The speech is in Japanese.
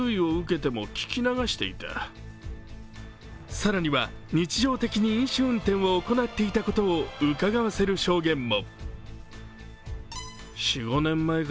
更には日常的に飲酒運転を行っていたことをうかがわせる証言も。